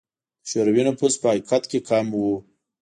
د شوروي نفوس په حقیقت کې کم و.